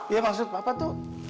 ya maksud papa tuh